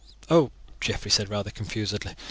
"Oh!" Geoffrey said, rather confusedly.